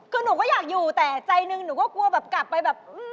คือหนูก็อยากอยู่แต่ใจหนึ่งหนูก็กลัวแบบกลับไปแบบ